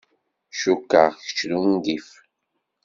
Cukkeɣ kečč d ungif.